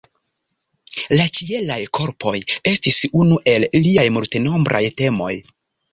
La ĉielaj korpoj estis unu el liaj multenombraj temoj.